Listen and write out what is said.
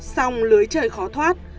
xong lưới trời khó thoát